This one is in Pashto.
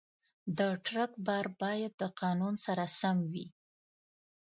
د ټرک بار باید د قانون سره سم وي.